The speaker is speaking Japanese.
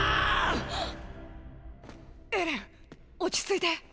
エレン落ち着いて。